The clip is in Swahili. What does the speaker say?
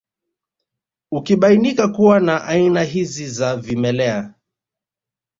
Ukibainika kuwa na aina hizi za vimelea